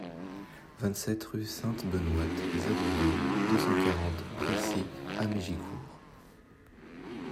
vingt-sept rue Sainte-Benoite, zéro deux, deux cent quarante Brissy-Hamégicourt